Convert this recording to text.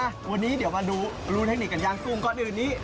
วันนี้เดี๋ยวมาดูรูเทคนิคกันย่างกุ้งก่อนอื่นนี้